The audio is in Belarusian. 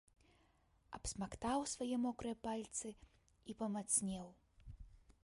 Абсмактаў свае мокрыя пальцы і памацнеў.